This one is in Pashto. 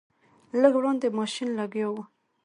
لږ وړاندې ماشین لګیا و.